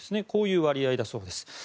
こういう割合だそうです。